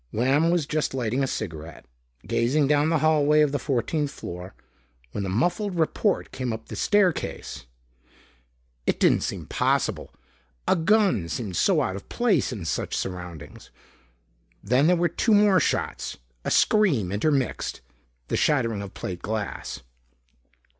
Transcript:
Lamb was just lighting a cigaret, gazing down the hallway of the fourteenth floor, when the muffled report came up the staircase. It didn't seem possible, a gun seemed so out of place in such surroundings.... Then there were two more shots, a scream intermixed. The shattering of plate glass.